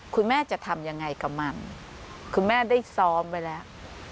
คุณแม่จะทำยังไงกับมันคุณแม่ได้ซ้อมไว้แล้ว